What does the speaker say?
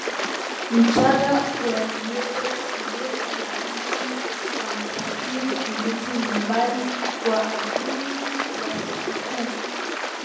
wachaga waliyopo nje ya nchi wanasafiri kurudi nyumbani kwa ajiri ya sikukuu